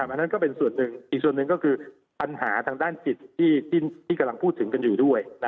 อันนั้นก็เป็นส่วนหนึ่งอีกส่วนหนึ่งก็คือปัญหาทางด้านจิตที่กำลังพูดถึงกันอยู่ด้วย